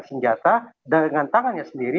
senjata dengan tangannya sendiri